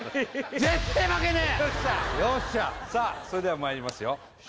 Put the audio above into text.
それではまいりますよ